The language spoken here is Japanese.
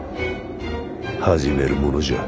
始めるものじゃ。